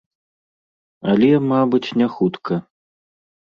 Але, мабыць, не хутка.